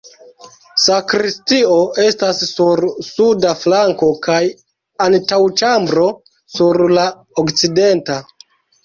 Sakristio estas sur suda flanko kaj antaŭĉambro sur la okcidenta.